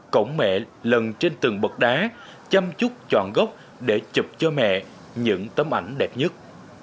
cổng mẹ lần trên từng bậc đá chăm chút chọn gốc để chụp cho mẹ những tấm ảnh đẹp nhất